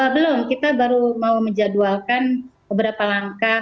belum kita baru mau menjadwalkan beberapa langkah